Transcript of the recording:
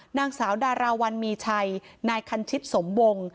นางสาวดาราวันมีชัยนายคันชิตสมวง